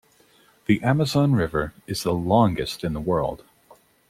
The Amazon River is the longest in the world.